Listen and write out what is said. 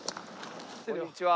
こんにちは。